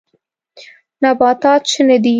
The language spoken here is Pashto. نباتات شنه دي.